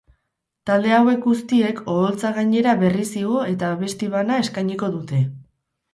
Talde hauek guztiek oholtza gainera berriz igo eta abesti bana eskainiko dute.